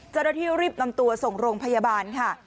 เจ้าหน้าที่รีบนำตัวส่งโรงพยาบาลค่ะ